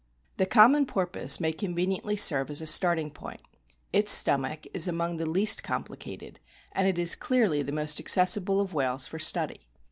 The common porpoise may conveniently serve as a starting point. Its stomach is among the least complicated, and it is clearly the most accessible of whales for study.